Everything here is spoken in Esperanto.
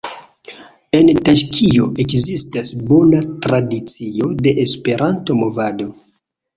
En Taĝikio ekzistas bona tradicio de Esperanto-movado.